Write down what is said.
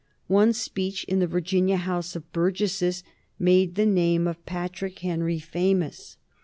One speech in the Virginia House of Burgesses made the name of Patrick Henry famous.